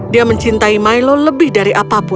dia mencintai milo lebih dari apapun